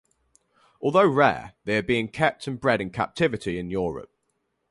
Although rare, they are being kept and bred in captivity in Europe.